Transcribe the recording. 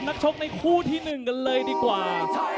นักชกในคู่ที่๑กันเลยดีกว่า